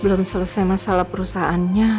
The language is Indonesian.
belum selesai masalah perusahaannya